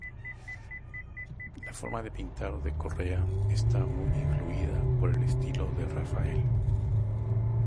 La forma de pintar de Correa está muy influida por el estilo de Rafael.